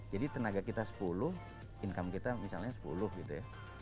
jadi tenaga kita sepuluh income kita misalnya sepuluh gitu ya